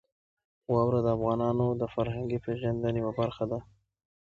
واوره د افغانانو د فرهنګي پیژندنې یوه برخه ده.